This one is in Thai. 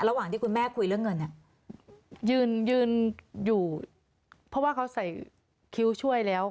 ระหว่างที่คุณแม่คุยเรื่องเงินเนี่ยยืนยืนอยู่เพราะว่าเขาใส่คิ้วช่วยแล้ว